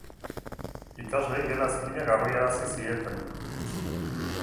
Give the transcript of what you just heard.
Ikasleei gela zikina garbiarazi zieten.